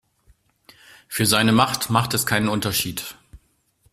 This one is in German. Für seine Macht macht es keinen Unterschied.